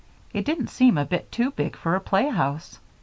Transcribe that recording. It didn't seem a bit too big for a playhouse.